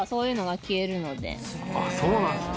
そうなんですね。